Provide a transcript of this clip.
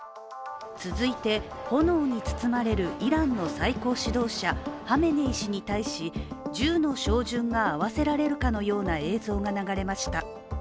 続いて、炎に包まれるイランの最高指導者ハメネイ師に対し銃の照準が合わせられるかのような映像が流れました。